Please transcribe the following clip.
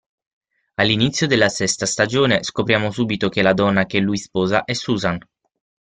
All'inizio della sesta stagione, scopriamo subito che la donna che lui sposa è Susan.